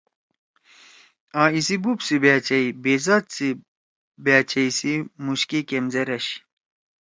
آں ایسی بوب سی باچائی بیذات سی باچئ سی موش کیمزیر أشی۔